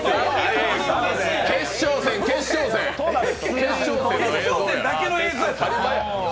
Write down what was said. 決勝戦、決勝戦の映像や。